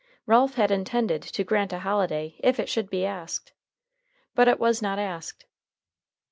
Ralph had intended to grant a holiday if it should be asked, but it was not asked.